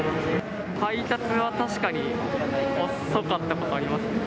配達は確かに遅かったことありますね。